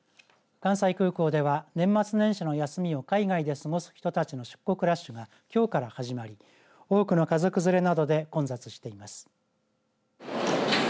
関西空港では、年末年始の休みを海外で過ごす人たちの出国ラッシュがきょうから始まり多くの家族連れなどで混雑しています。